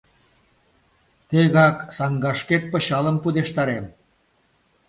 Тегак саҥгашкет пычалым пудештарем!